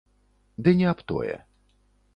Ды не аб тое.